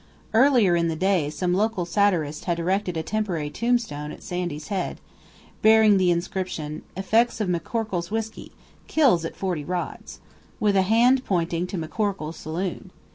Earlier in the day some local satirist had erected a temporary tombstone at Sandy's head, bearing the inscription, "Effects of McCorkle's whisky kills at forty rods," with a hand pointing to McCorkle's saloon.